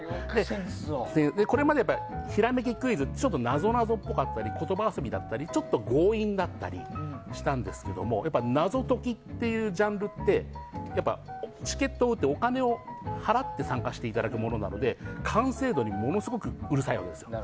これまで、ひらめきクイズってなぞなぞっぽかったり言葉遊びだったりちょっと強引だったりしたんですけど謎解きというジャンルってチケットを売ってお金を払って参加していただくものなので完成度にものすごくうるさいわけですよ。